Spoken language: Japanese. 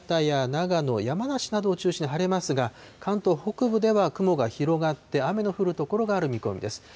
長野、山梨などを中心に晴れますが、関東北部では雲が広がって雨の降る所がある見込みです。